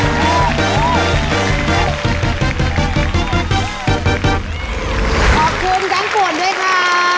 ขอบคุณกันก่อนด้วยค่ะ